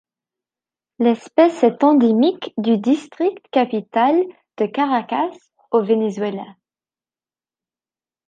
L'espèce est endémique du District capitale de Caracas au Venezuela.